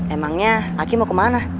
emangnya aku mau kemana